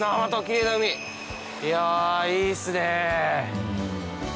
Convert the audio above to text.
いやいいっすね！